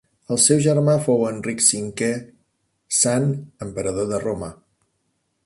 El seu germà fou Enric V, sant emperador de Roma.